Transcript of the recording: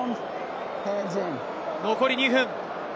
残り２分。